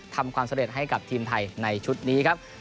ทำความสำเร็จให้กับทีมไทยในชุดนี้ครับ